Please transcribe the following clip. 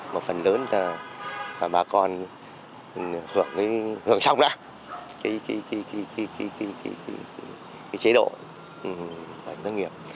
một phần lớn là bà con hưởng xong đã chế độ bảo hiểm thất nghiệp